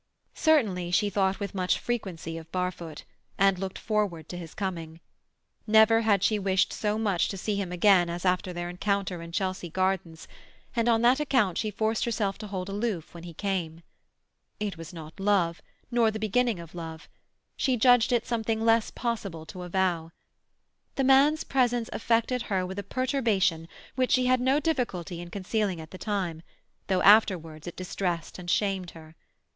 Certainly she thought with much frequency of Barfoot, and looked forward to his coming. Never had she wished so much to see him again as after their encounter in Chelsea Gardens, and on that account she forced herself to hold aloof when he came. It was not love, nor the beginning of love; she judged it something less possible to avow. The man's presence affected her with a perturbation which she had no difficulty in concealing at the time, though afterwards it distressed and shamed her.